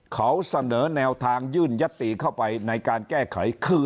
เขาเสนอแนวทางยื่นยัตติเข้าไปในการแก้ไขคือ